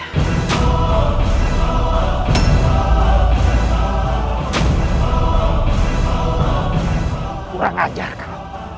kurang ajar kau